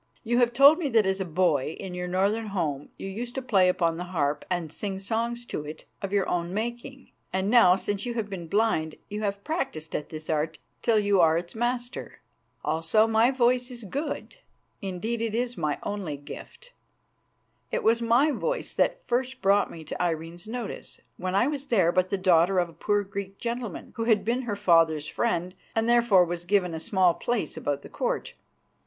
You have told me that as a boy in your northern home you used to play upon the harp and sing songs to it of your own making, and now, since you have been blind, you have practised at this art till you are its master. Also, my voice is good; indeed, it is my only gift. It was my voice that first brought me to Irene's notice, when I was but the daughter of a poor Greek gentleman who had been her father's friend and therefore was given a small place about the Court.